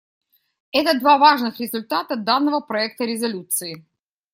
Это два важных результата данного проекта резолюции.